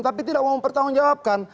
tapi tidak mau mempertanggungjawabkan